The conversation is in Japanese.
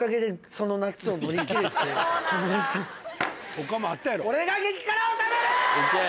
他もあったやろ。